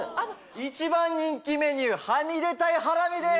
一番人気メニューはみ出たいハラミです！